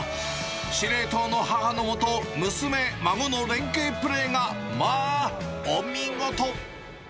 司令塔の母のもと、娘、孫の連携プレーがまあお見事。